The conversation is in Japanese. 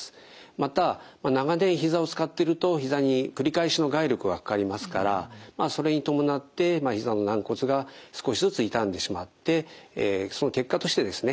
また長年ひざを使っているとひざに繰り返しの外力がかかりますからそれに伴ってひざの軟骨が少しずつ傷んでしまってその結果としてですね